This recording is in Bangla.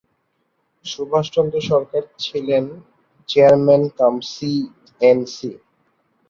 সুভাষ চন্দ্র সরকার ছিলেন এর চেয়ারম্যান-কাম-সি-ইন-সি।